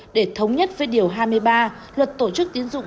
để thống nhất với điều hai mươi ba luật tổ chức tiến dụng hai nghìn hai mươi hai